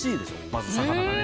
まず魚がね。